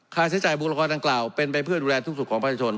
ค่าใช้จ่ายบุรคดังกล่าวเป็นไปเพื่อดูแลทุกสุขของประชาชน